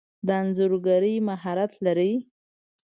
د انځورګری مهارت لرئ؟